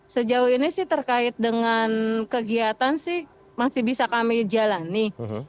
sejauh ini sih terkait dengan kegiatan sih masih bisa kami jalani